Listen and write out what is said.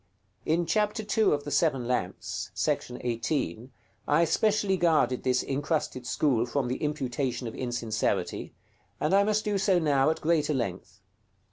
In chapter ii. of the "Seven Lamps," § 18, I especially guarded this incrusted school from the imputation of insincerity, and I must do so now at greater length.